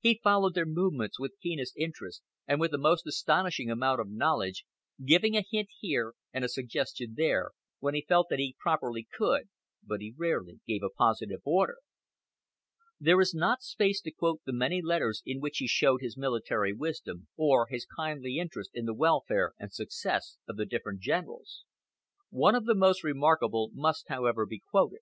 He followed their movements with keenest interest and with a most astonishing amount of knowledge, giving a hint here, and a suggestion there, when he felt that he properly could, but he rarely gave a positive order. There is not space to quote the many letters in which he showed his military wisdom, or his kindly interest in the welfare and success of the different generals. One of the most remarkable must however be quoted.